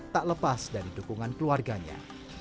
tak lepas dari dukungan keluarganya